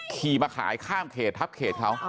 ขี่มาขายข้ามเขตทับเขตเขา